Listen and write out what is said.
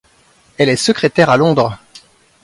Elle est secrétaire à Londres.